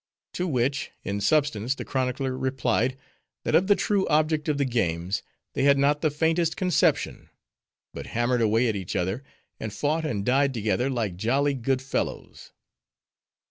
To which in substance the chronicler replied, that of the true object of the games, they had not the faintest conception; but hammered away at each other, and fought and died together, like jolly good fellows.